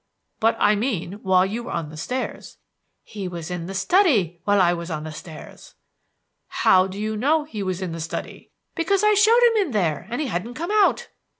"But I mean when you were on the stairs." "He was in the study when I was on the stairs." "How do you know he was in the study?" "Because I showed him in there and he hadn't come out."